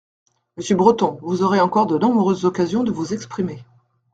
Monsieur Breton, vous aurez encore de nombreuses occasions de vous exprimer.